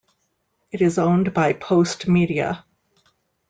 It is owned by Postmedia.